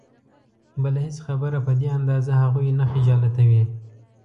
بله هېڅ خبره په دې اندازه هغوی نه خجالتوي.